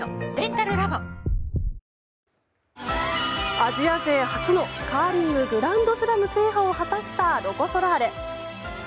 アジア勢初のカーリンググランドスラム制覇を果たしたロコ・ソラーレ。